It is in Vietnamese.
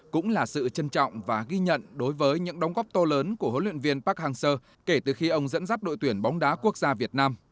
cũng là sự trân trọng và ghi nhận đối với những đóng góp to lớn của huấn luyện viên park hang seo kể từ khi ông dẫn dắt đội tuyển bóng đá quốc gia việt nam